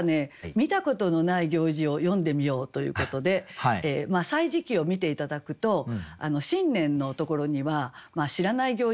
見たことのない行事を詠んでみようということで「歳時記」を見て頂くと新年のところには知らない行事